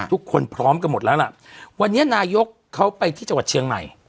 พร้อมกันหมดแล้วล่ะวันนี้นายกเขาไปที่จังหวัดเชียงใหม่